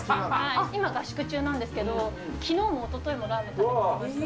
今、合宿中なんですけど、きのうもおとといもラーメン食べましたね。